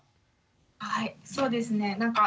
はいそうですねなんか